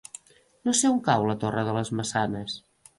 No sé on cau la Torre de les Maçanes.